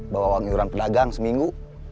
bawa wang yuran pedagang seminggu